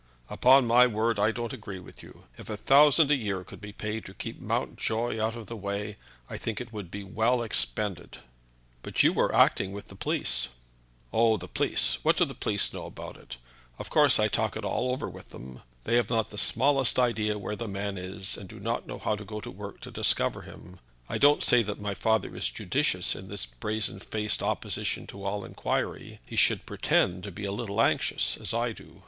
"Upon my word I don't agree with you. If a thousand a year could be paid to keep Mountjoy out of the way I think it would be well expended." "But you were acting with the police." "Oh, the police! What do the police know about it? Of course I talk it all over with them. They have not the smallest idea where the man is, and do not know how to go to work to discover him. I don't say that my father is judicious in his brazen faced opposition to all inquiry. He should pretend to be a little anxious as I do.